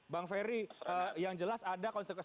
bang ferry yang jelas ada konsekuensi